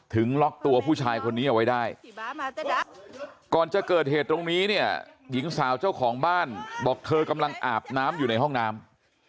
ล็อกตัวผู้ชายคนนี้เอาไว้ได้ก่อนจะเกิดเหตุตรงนี้เนี่ยหญิงสาวเจ้าของบ้านบอกเธอกำลังอาบน้ำอยู่ในห้องน้ำ